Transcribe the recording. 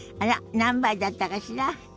何杯だったかしら？